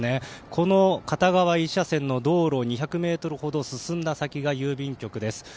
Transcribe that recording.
この片側１車線の道路を２００ｍほど進んだ先が郵便局です。